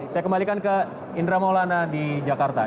saya kembalikan ke indra maulana di jakarta